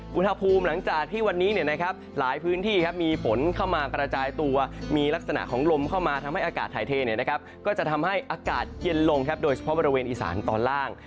คุณภาคภูมิหลังจากที่วันนี้เนี่ยนะครับหลายพื้นที่ครับมีฝนเข้ามากระจายตัวมีลักษณะของลมเข้ามาทำให้อากาศถ่ายเทเนี่ยนะครับก็จะทำให้อากาศเย็นลงครับโดยเฉพาะบริเวณอิสานตอนล่าง